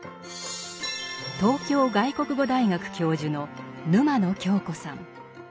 東京外国語大学教授の沼野恭子さん。